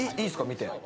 見て。